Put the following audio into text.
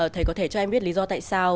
thầy có thể cho em biết lý do tại sao